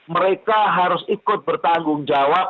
mereka harus ikut bertanggung jawab